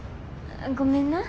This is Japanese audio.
ごめんな。